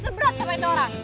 seberat sama itu orang